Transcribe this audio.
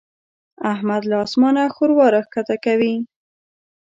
احمد له اسمانه ښوروا راکښته کوي.